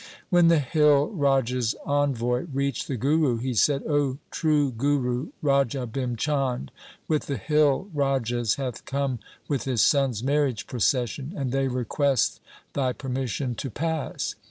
When the hill rajas' envoy reached the Guru he said, ' 0 true Guru, Raja Bhim Chand with the hill rajas hath come with his son's marriage procession, and they request thy permission to pass.